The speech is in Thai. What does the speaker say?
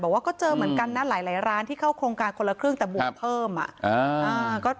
บอกว่าเจอเหมือนกันนะหลายร้านที่เข้าโครงการคนละครึ่งแต่ประมาณเท่าไหร่